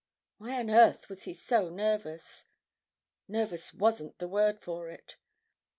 Why on earth was he so nervous? Nervous wasn't the word for it.